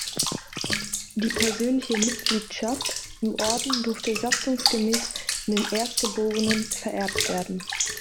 Die persönliche Mitgliedschaft im Orden durfte satzungsgemäß an den Erstgeborenen vererbt werden.